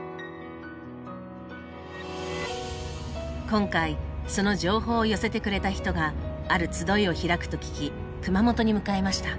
今回その情報を寄せてくれた人がある集いを開くと聞き熊本に向かいました。